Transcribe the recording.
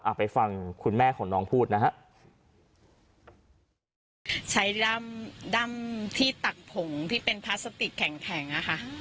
ไปฟังคุณแม่ของน้องพูดนะฮะใช้ด้ำด้ำที่ตักผงที่เป็นพลาสติกแข็งแข็งอ่ะค่ะ